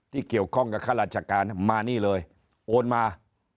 ที่เกี่ยวข้องกับข้าราชการมานี่เลยโอนมา